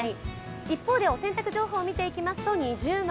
一方でお洗濯情報を見ていきますと◎。